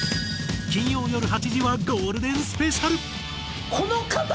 金曜よる８時はゴールデンスペシャル。